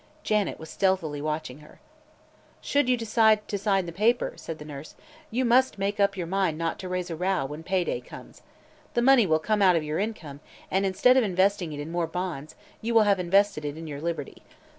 Janet was stealthily watching her. "Should you decide to sign the paper," said the nurse, "you must make up your mind not to raise a row when pay day comes. The money will come out of your income, and instead of investing it in more bonds, you will have invested it in your liberty.